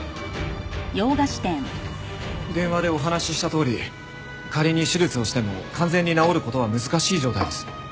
電話でお話ししたとおり仮に手術をしても完全に治る事は難しい状態です。